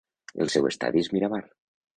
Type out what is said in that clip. El seu estadi és Miramar.